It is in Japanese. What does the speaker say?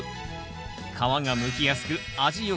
皮がむきやすく味